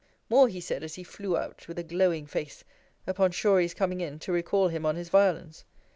More he said, as he flew out, with a glowing face, upon Shorey's coming in to recall him on his violence.